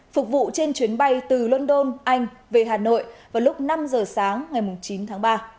phục vụ trên chuyến bay từ london anh về hà nội vào lúc năm giờ sáng ngày chín tháng ba